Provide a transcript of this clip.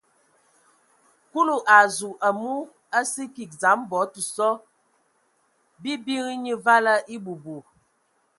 Kulu a zu, amu a sə kig dzam bɔ tə so: bii bi hm nye vala ebu bu.